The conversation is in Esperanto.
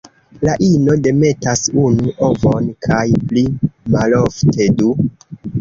La ino demetas unu ovon kaj pli malofte du.